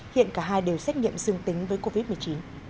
hiện cả hai đều xét nghiệm dương tính với covid một mươi chín